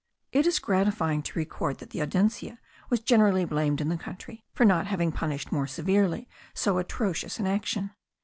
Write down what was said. It is gratifying to record that the Audiencia was generally blamed in the country for not having punished more severely so atrocious an action.